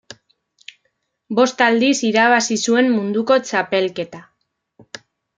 Bost aldiz irabazi zuen munduko txapelketa.